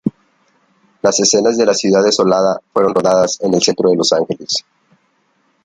Las escenas de la ciudad desolada fueron rodadas en el centro de Los Ángeles.